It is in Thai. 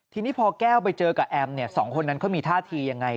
ทีนี้พอแก้วไปเจอกับแอมเนี่ยสองคนนั้นเขามีท่าทียังไง